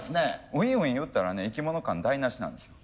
ウィンウィン言ったらね生き物感台なしなんですよ。